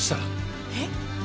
えっ？